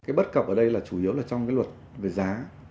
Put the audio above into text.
cái bất cập ở đây là chủ yếu là trong cái luật về giá